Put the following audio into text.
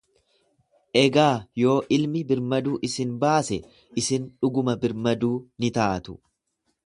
Egaa yoo ilmi birmaduu isin baase, isin dhuguma birmaduu ni taatu.